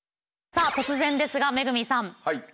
さあ突然ですが恵さん。